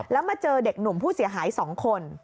แล้วมาเจอเด็กหนุ่มผู้เสียหาย๒คน